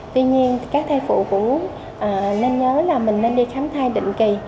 tuy nhiên các thai phụ cũng nên nhớ là mình nên đi khám thai định kỳ